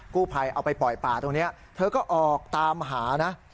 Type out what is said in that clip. กู้ภัยเอาไปปล่อยป่าตรงนี้เธอก็ออกตามหานะ